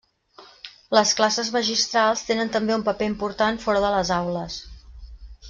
Les classes magistrals tenen també un paper important fora de les aules.